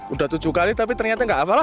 udah tujuh kali tapi ternyata gak apa apa tuh